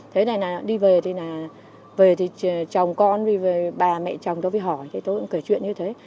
thế này là đi về thì là về thì chồng con đi về bà mẹ chồng tôi đi hỏi thế tôi cũng kể chuyện như thế